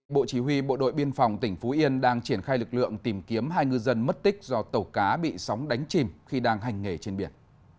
bộ chỉ huy bộ đội biên phòng tỉnh phú yên đang triển khai lực lượng tìm kiếm hai ngư dân mất tích do tàu cá bị sóng đánh chìm khi đang hành nghề trên biển